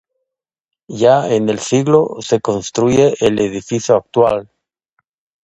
Ya en el siglo se construye el edificio actual.